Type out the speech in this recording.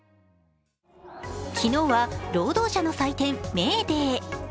昨日は労働者の祭典、メーデー。